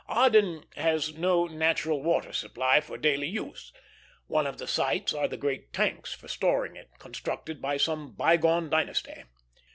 Aden has no natural water supply for daily use; one of the sights are the great tanks for storing it, constructed by some bygone dynasty.